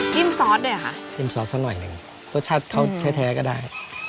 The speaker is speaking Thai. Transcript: ซอสด้วยเหรอคะจิ้มซอสสักหน่อยหนึ่งรสชาติเขาแท้ก็ได้